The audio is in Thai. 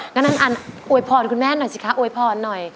งั้นอันอวยพรคุณแม่หน่อยสิคะอวยพรหน่อย